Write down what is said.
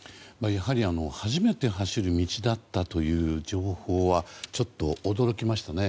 やはり初めて走る道だったという情報はちょっと驚きましたね。